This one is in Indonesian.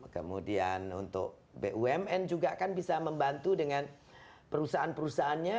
kemudian untuk bumn juga kan bisa membantu dengan perusahaan perusahaannya